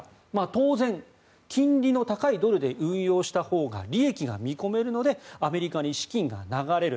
当然、金利の高いドルで運用したほうが利益が見込めるのでアメリカに資金が流れる。